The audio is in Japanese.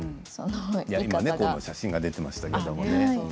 今、写真が出ていましたけれどね。